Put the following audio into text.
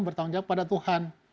bertanggung jawab pada tuhan